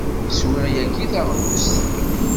Swiɣ yagi taɣlust.